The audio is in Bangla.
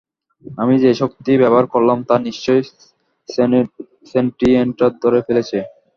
আমি যে শক্তি ব্যবহার করলাম, তা নিশ্চয়ই সেন্টিয়েন্টরা ধরে ফেলেছে।